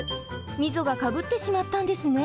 みそがかぶってしまったんですね。